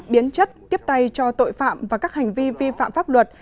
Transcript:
biến chất tiếp tay cho tội phạm và các hành vi vi phạm pháp luật